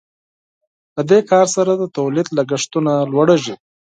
په دې کار سره د تولید لګښتونه لوړیږي.